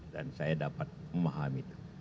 dan saya dapat memahami itu